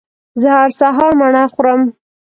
زه هر سهار مڼه خورم